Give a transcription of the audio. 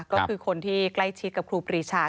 ก็คือคนที่ใกล้ชิดกับครูปรีชา